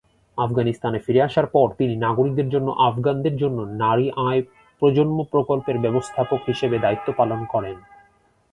আফগানিস্তানে ফিরে আসার পর, তিনি নাগরিকদের জন্য আফগানদের জন্য নারী আয় প্রজন্ম প্রকল্পের ব্যবস্থাপক হিসেবে দায়িত্ব পালন করেন।